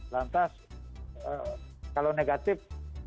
lantas kalau negatif